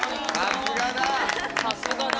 さすがだ！